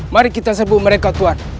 mari kita sebut mereka tuan